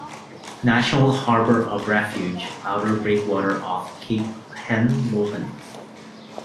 National Harbor of Refuge, outer breakwater off Cape Henlopen.